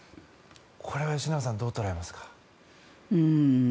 これは吉永さんどう捉えますか？